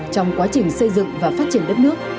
trong quá trình xây dựng và phát triển đất nước